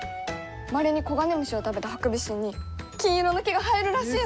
まれにコガネムシを食べたハクビシンに金色の毛が生えるらしいの！